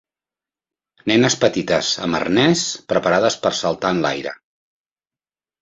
Nenes petites amb arnès preparades per saltar enlaire.